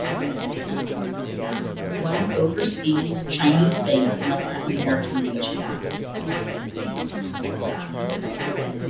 There is only one Overseas Chinese bank in the Latin American region.